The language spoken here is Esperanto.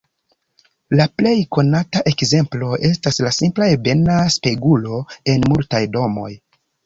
La plej konata ekzemplo estas la simpla ebena spegulo en multaj domoj.